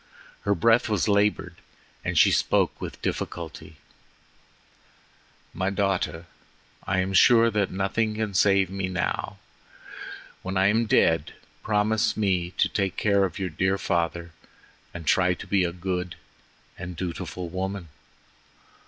Her breath was labored and she spoke with difficulty: "My daughter. I am sure that nothing can save me now. When I am dead, promise me to take care of your dear father and to try to be a good and dutiful woman."